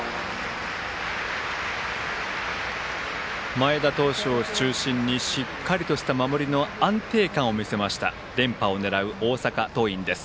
前田投手を中心にしっかりとした守りの安定感を見せました連覇を狙う大阪桐蔭です。